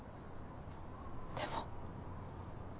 でも。